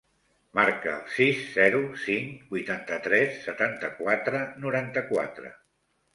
Marca el sis, zero, cinc, vuitanta-tres, setanta-quatre, noranta-quatre.